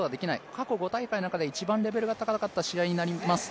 過去５大会の中で１番レベルが高かった試合になります。